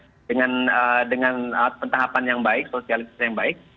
ya tapi dengan strategi yang tadi ya dengan pentahapan yang baik sosialitas yang baik